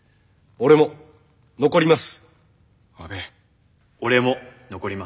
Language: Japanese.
俺も残ります。